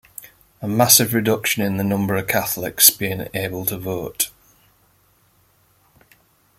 A massive reduction in the number of Catholics being able to vote.